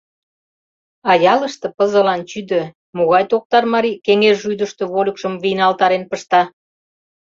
А ялыште пызылан чӱдӧ: могай токтар марий кеҥеж рӱдыштӧ вольыкшым вийналтарен пышта?